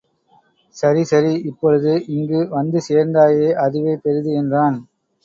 சரி, சரி இப்பொழுது இங்கு வந்து சேர்ந்தாயே, அதுவே பெரிது! என்றான்.